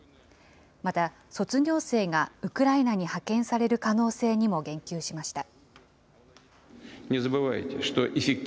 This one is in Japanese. また、卒業生がウクライナに派遣される可能性にも言及しました。